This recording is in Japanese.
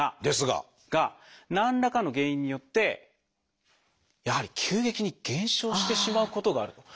「ですが」？が何らかの原因によってやはり急激に減少してしまうことがある。